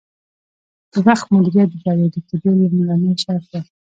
د وخت مدیریت د بریالي کیدو لومړنی شرط دی.